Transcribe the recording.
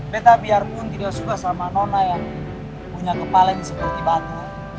betapiar pun tidak suka sama nona yang punya kepala yang seperti batu